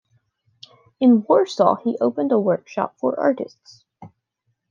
In Warsaw he opened a workshop for artists.